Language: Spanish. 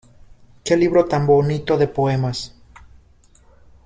¡Qué libro tan bonito de poemas!